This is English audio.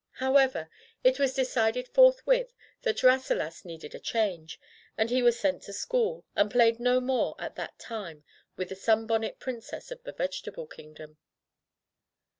However, it was decided forthwith that Rasselas needed a change, and he was sent to school, and played no more at that time with the sunbonnet princess of the Vegetable Kingdom.